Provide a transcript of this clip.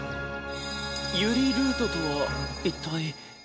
ユリルートとは一体。